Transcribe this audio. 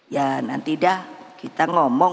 ya nanti dah kita ngomong